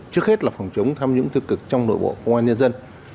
trước hết là phòng chống tham nhũng tiêu cực trong nội bộ công an nhân dân